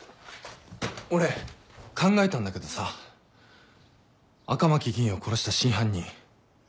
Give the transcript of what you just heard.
俺考えたんだけどさ赤巻議員を殺した真犯人俺たちで捜さないか？